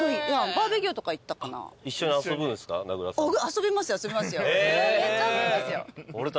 遊びますよ遊びますよ。